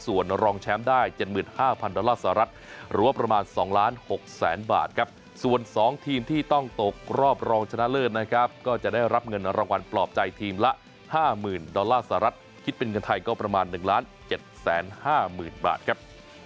ส่วนรองแชมป์ได้๗๕๐๐ดอลลาร์สหรัฐหรือว่าประมาณ๒ล้าน๖แสนบาทครับส่วน๒ทีมที่ต้องตกรอบรองชนะเลิศนะครับก็จะได้รับเงินรางวัลปลอบใจทีมละ๕๐๐๐ดอลลาร์สหรัฐคิดเป็นเงินไทยก็ประมาณ๑๗๕๐๐๐บาทครับ